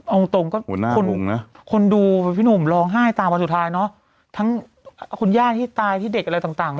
เอาตรงก็คนดูพี่หนุ่มร้องไห้ตามวันสุดท้ายเนอะทั้งคุณย่าที่ตายที่เด็กอะไรต่าง